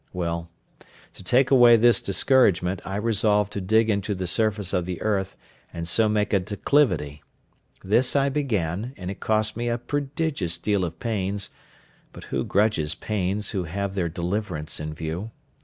Well, to take away this discouragement, I resolved to dig into the surface of the earth, and so make a declivity: this I began, and it cost me a prodigious deal of pains (but who grudge pains who have their deliverance in view?)